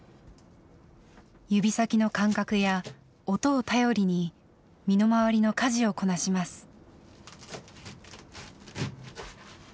指先の感覚や音を頼りに身の回りの家事をこなします。